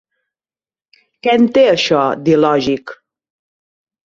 Què en té això, d'il·lògic?